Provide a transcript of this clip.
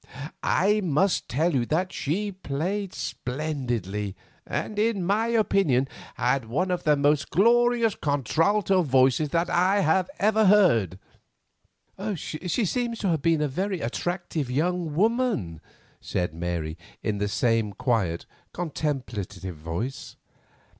I must tell you that she played splendidly, and, in my opinion, had one of the most glorious contralto voices that I ever heard." "She seems to have been a very attractive young woman," said Mary, in the same quiet, contemplative voice.